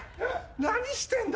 何してんだ？